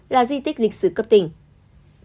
là di tích lịch sử cấp tỉnh